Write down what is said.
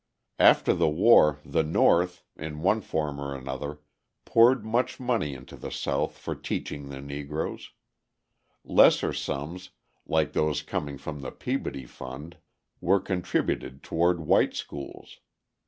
After the war the North, in one form or another, poured much money into the South for teaching the Negroes; lesser sums, like those coming from the Peabody fund, were contributed toward white schools.